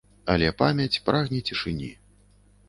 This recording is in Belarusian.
Але памяць прагне цішыні.